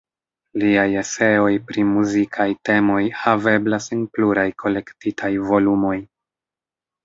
Liaj eseoj pri muzikaj temoj haveblas en pluraj kolektitaj volumoj.